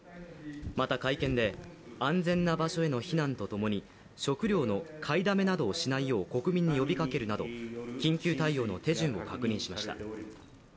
また会見で安全な場所への避難とともに食料の買いだめなどをしないよう国民に呼びかけるなど緊急対応の手順を確認しました。